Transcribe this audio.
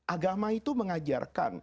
agama itu mengajarkan